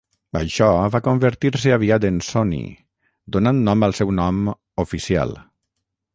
Això va convertir-se aviat en Sonny, donant nom al seu nom "oficial".